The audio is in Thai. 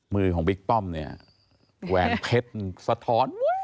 มือของบิ๊กป้อมเนี่ยแหวนเพชรสะท้อน